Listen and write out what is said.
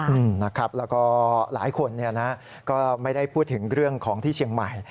แล้วก็หลายคนก็ไม่ได้พูดถึงเรื่องของที่เชียงใหม่